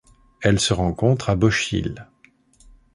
Elle se rencontre à Bochil.